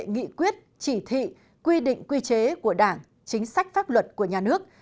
nghị quyết chỉ thị quy định quy chế của đảng chính sách pháp luật của nhà nước